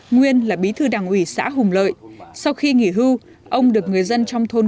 nguyên là bí thư đảng ủy xã hùng lợi sau khi nghỉ hưu ông được người dân trong thôn